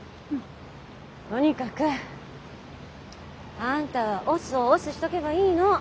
とにかくあんたは押忍を押忍しとけばいいの。